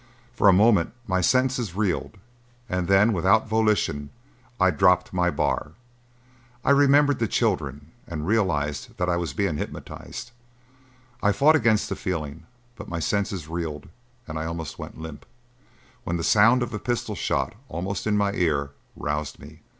For a moment my senses reeled and then, without volition, I dropped my bar. I remembered the children and realized that I was being hypnotized. I fought against the feeling, but my senses reeled and I almost went limp, when the sound of a pistol shot, almost in my ear, roused me.